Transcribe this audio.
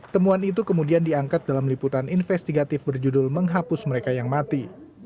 temuan itu kemudian diangkat dalam liputan investigatif berjudul menghapus mereka yang mati